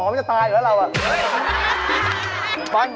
อ๋อมันจะตายเหรอเรา